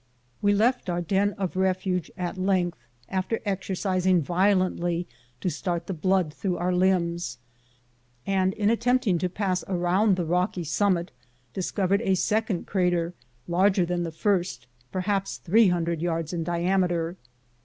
We left our den of refuge at length, after exercising violently to start the blood through our limbs, and, in attempting to pass around the rocky summit, discov ered a second crater, larger than the first, perhaps three hundred yards in diameter.